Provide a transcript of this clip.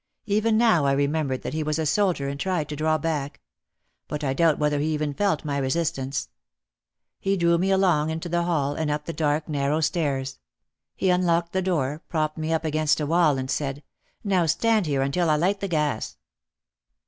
Even now I remembered that he was a soldier and tried to draw back. But I doubt whether he even felt my resistance. He drew me along into the hall and up the dark narrow stairs. He unlocked the door, propped me up against a wall and said, "Now stand here until I light the gas."